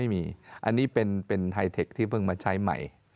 ไม่มีอันนี้เป็นไทเทคที่เพิ่งมาใช้ใหม่